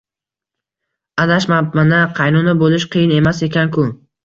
Adashmabman-a, qaynona bo`lish qiyin emas ekan-u